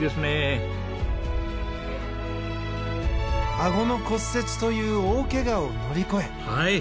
あごの骨折という大ケガを乗り越え。